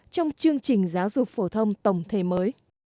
trong chương trình giáo dục phổ thông tổng thể mới